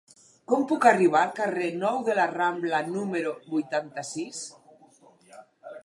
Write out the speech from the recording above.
Com puc arribar al carrer Nou de la Rambla número vuitanta-sis?